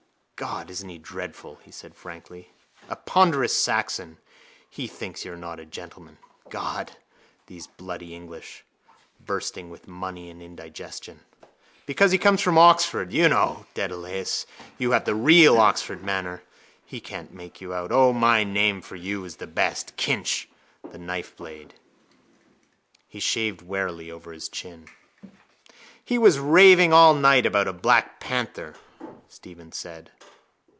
—God, isn't he dreadful? he said frankly. A ponderous Saxon. He thinks you're not a gentleman. God, these bloody English! Bursting with money and indigestion. Because he comes from Oxford. You know, Dedalus, you have the real Oxford manner. He can't make you out. O, my name for you is the best: Kinch, the knife blade. He shaved warily over his chin. —He was raving all night about a black panther, Stephen said.